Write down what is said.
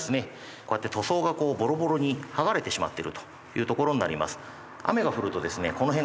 こうやって塗装がボロボロに剥がれてしまっているというところになります。